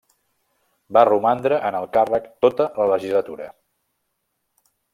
Va romandre en el càrrec tota la Legislatura.